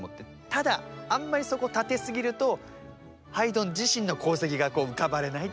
ただあんまりそこを立て過ぎるとハイドン自身の功績がこう浮かばれないっていう。